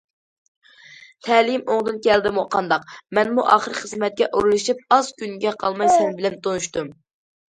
تەلىيىم ئوڭدىن كەلدىمۇ، قانداق؟ مەنمۇ ئاخىرى خىزمەتكە ئورۇنلىشىپ ئاز كۈنگە قالماي سەن بىلەن تونۇشتۇم.